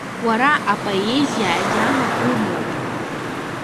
Уара апоезиа агьама умоуп.